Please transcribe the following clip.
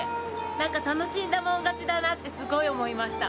なんか、楽しんだもん勝ちだなって、すごい思いました。